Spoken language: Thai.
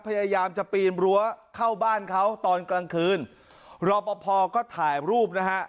พยายามจะปีนรั้วเข้าบ้านเขาตอนกลางคืนรอปภก็ถ่ายรูปนะฮะ